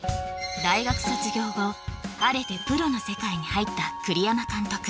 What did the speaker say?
大学卒業後晴れてプロの世界に入った栗山監督